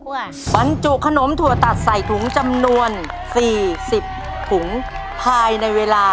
เพื่อบรรจุขนมถั่วตัดใส่ถุงจำนวน๔๐ถุงภายในเวลา